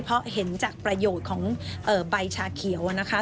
เพราะเห็นจากประโยชน์ของใบชาเขียวนะคะ